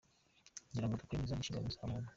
Ngirango gukora neza ni inshingano za muntu.